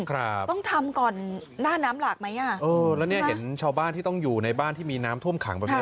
ครับต้องทำก่อนหน้าน้ำหลากไหมอ่ะเออแล้วเนี้ยเห็นชาวบ้านที่ต้องอยู่ในบ้านที่มีน้ำท่วมขังแบบนี้